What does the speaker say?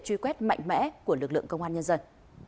truy quét mạnh mẽ của lực lượng công an nhân dân